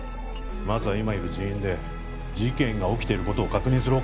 まずは今いる人員で事件が起きていることを確認する